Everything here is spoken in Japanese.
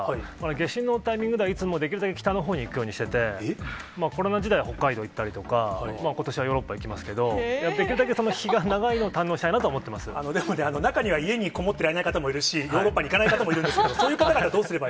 夏至のタイミングではいつもできるだけ北のほうに行くようにしてて、コロナ時代は北海道行ったりとか、ことしはヨーロッパに行きますけれども、できるだけ日が長中には、家にこもっていられない方もいるし、ヨーロッパに行かない方もいるんですけど、そういう方はどうすれば？